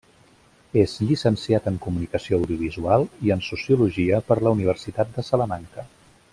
És llicenciat en Comunicació Audiovisual, i en Sociologia per la Universitat de Salamanca.